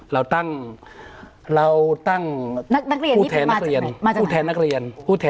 แล้วตั้งผู้แทนนักเรียน